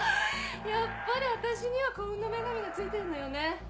やっぱり私には幸運の女神がついてんのよ